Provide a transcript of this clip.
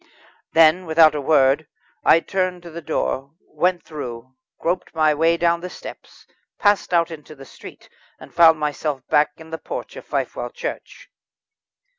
Then, without a word, I turned to the door, went through, groped my way down the steps, passed out into the street, and found myself back in the porch of Fifewell Church.